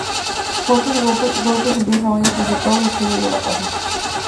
Fuertes golpes se empiezan a oír desde todo el exterior de la casa.